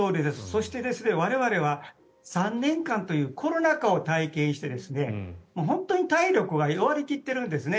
そして、我々は３年間というコロナ禍を体験して本当に体力が弱り切ってるんですね。